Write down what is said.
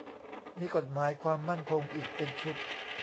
มีกฎหมายความมั่นคงอีกเป็นชุด